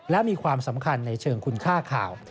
และมีความสำคัญในเชิงคุณค่าข่าว